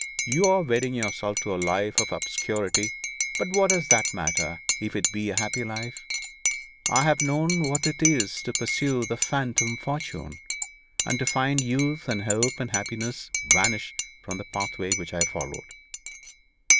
You are wedding yourself to a life of obscurity; but what does that matter, if it be a happy life? I have known what it is to pursue the phantom fortune, and to find youth and hope and happiness vanish from the pathway which I followed.'